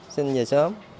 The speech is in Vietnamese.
sinh về sớm